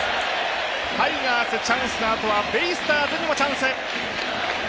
タイガース、チャンスのあとはベイスターズにもチャンス。